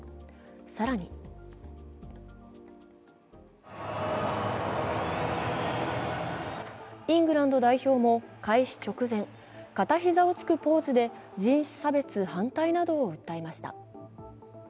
更にイングランド代表も開始直前、片膝をつくポーズで人種差別反対などを訴えました。